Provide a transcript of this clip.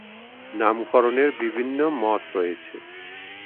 নামকরণের বিভিন্ন মত রয়েছে।